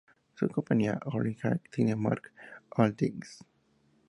Su compañía Holding Cinemark Holdings, Inc.